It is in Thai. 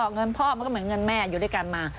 เงินพ่อมันก็เหมือนเงินแม่อยู่ด้วยกันมา